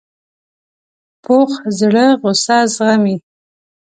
پوخ زړه غصه زغمي